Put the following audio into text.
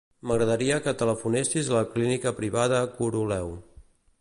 M'agradaria que telefonessis a la Clínica Privada Coroleu.